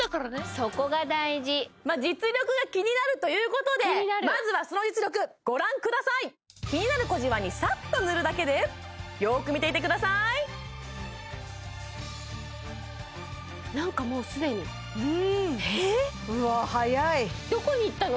さすがまあ実力が気になるということでまずはその実力ご覧ください気になる小じわにサッと塗るだけでよく見ていてくださいなんかもう既にうわ早いどこにいったの？